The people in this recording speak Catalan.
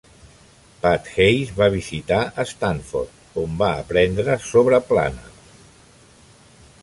Pat Hayes va visitar Stanford on va aprendre sobre Planner.